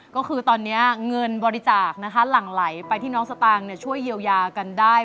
ก็คือตอนนี้เงินบริจาคนะคะหลั่งไหลไปที่น้องสตางค์ช่วยเยียวยากันได้